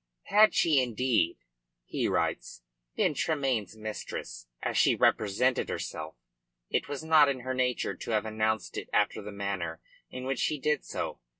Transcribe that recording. "Had she indeed," he writes, "been Tremayne's mistress, as she represented herself, it was not in her nature to have announced it after the manner in which she did so.